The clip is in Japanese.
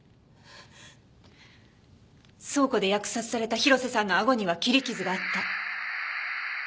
倉庫で扼殺された広瀬さんのあごには切り傷があった。